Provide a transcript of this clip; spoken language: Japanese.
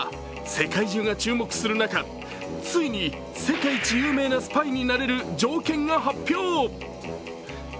世界中が注目する中ついに世界一有名なスパイになれる条件が発表。